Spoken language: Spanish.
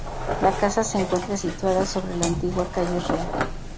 La casa se encuentra situada sobre la antigua calle Real.